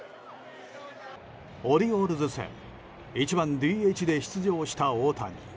オリオールズ戦１番ＤＨで出場した大谷。